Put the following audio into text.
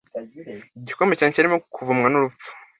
Igikombe cyanje cyarimo kuvumwa n’urupfu